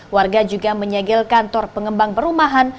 warga juga menyegel kantor pengembang perumahan